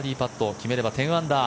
決めれば１０アンダー。